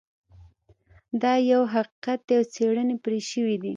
دا یو حقیقت دی او څیړنې پرې شوي دي